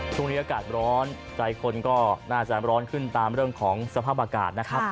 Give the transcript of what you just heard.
ช่วงนี้อากาศร้อนใจคนก็น่าจะร้อนขึ้นตามเรื่องของสภาพอากาศนะครับ